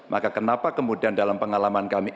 maka kenapa kemudian dalam pengalaman kami